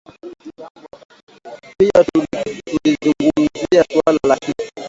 Pia tulizungumzia suala la kile